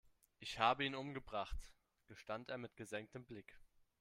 Ich habe ihn umgebracht, gestand er mit gesenktem Blick.